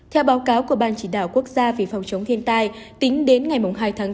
theo báo cáo của ban chỉ đạo quốc gia về phòng chống thiên tai tính đến ngày hai tháng bốn